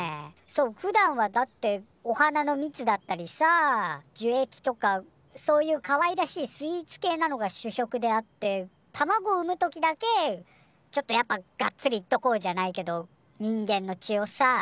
そうふだんはだってお花のミツだったりさ樹液とかそういうかわいらしいスイーツ系なのが主食であって卵を産むときだけちょっとやっぱガッツリいっとこうじゃないけど人間の血をさ。